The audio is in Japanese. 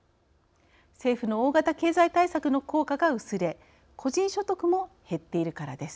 政府の大型経済対策の効果が薄れ個人所得も減っているからです。